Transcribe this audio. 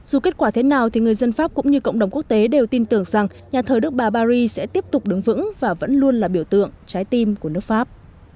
dù kết quả thế nào thì người dân pháp cũng như cộng đồng quốc tế đều tin tưởng rằng nhà thờ đức bà paris sẽ tiếp tục đứng vững và vẫn luôn là biểu tượng trái tim của nước pháp